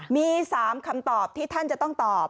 มี๓คำตอบที่ท่านจะต้องตอบ